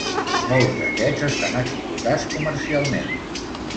Molts d'aquests estan explotats comercialment.